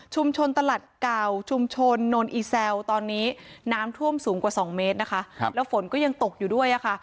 ตลาดเก่าชุมชนนนอีแซวตอนนี้น้ำท่วมสูงกว่าสองเมตรนะคะครับแล้วฝนก็ยังตกอยู่ด้วยอ่ะค่ะ